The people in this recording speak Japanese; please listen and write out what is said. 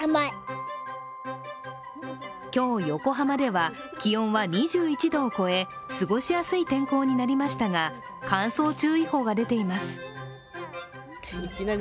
今日横浜では気温は２１度を超え過ごしやすい天候になりましたが乾燥注意報が出ています。